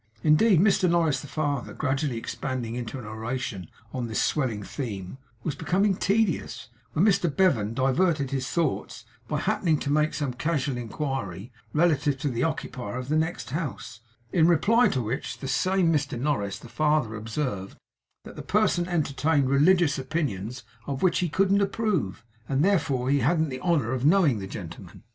Indeed, Mr Norris the father gradually expanding into an oration on this swelling theme, was becoming tedious, when Mr Bevan diverted his thoughts by happening to make some causal inquiry relative to the occupier of the next house; in reply to which, this same Mr Norris the father observed, that 'that person entertained religious opinions of which he couldn't approve; and therefore he hadn't the honour of knowing the gentleman.